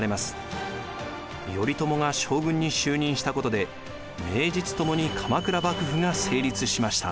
頼朝が将軍に就任したことで名実ともに鎌倉幕府が成立しました。